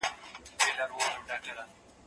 کېدای سي فکر ستونزي ولري!.